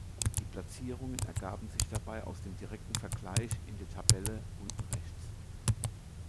Die Platzierungen ergaben sich dabei aus dem direkten Vergleich in der Tabelle unten rechts.